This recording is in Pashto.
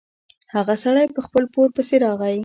هغه سړی په خپل پور پسې راغی.